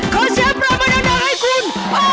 ขอเสียบราบมนาลัยคุณโอบามาม